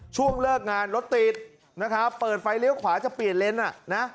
ช่วงเลิกงานรถติดนะครับเปิดไฟเลี้ยวขวาจะเปลี่ยนเลนส์อ่ะนะ